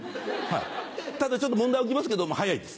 ただちょっと問題起きますけども早いです。